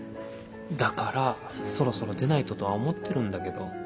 だからそろそろ出ないととは思ってるんだけど。